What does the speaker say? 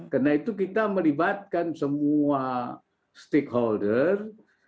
karena itu kita melibatkan semua stakeholder